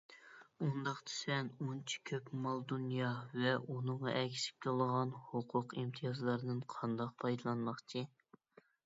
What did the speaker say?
ئۇنداقتا سەن ئۇنچە كۆپ مال - دۇنيا ۋە ئۇنىڭغا ئەگىشىپ كېلىدىغان ھوقۇق - ئىمتىيازلاردىن قانداق پايدىلانماقچى؟